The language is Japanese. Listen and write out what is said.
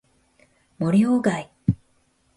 森鴎外